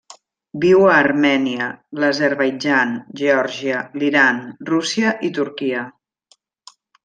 Viu a Armènia, l'Azerbaidjan, Geòrgia, l'Iran, Rússia i Turquia.